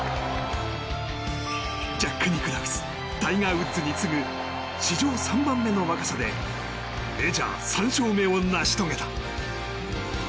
ジャック・ニクラウスタイガー・ウッズに次ぐ史上３番目の若さでメジャー３勝目を成し遂げた。